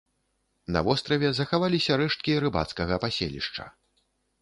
На востраве захаваліся рэшткі рыбацкага паселішча.